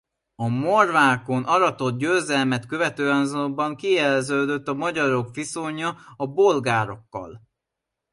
A morvákon aratott győzelmet követően azonban kiéleződött a magyarok viszonya a bolgárokkal.